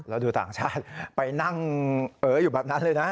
แล้วดูต่างชาติไปนั่งเอออยู่แบบนั้นเลยนะ